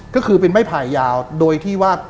ก็คือเป็นไม้ไผ่ยาวโดยที่ว่า